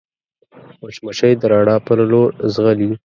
مچمچۍ د رڼا پر لور ځغلي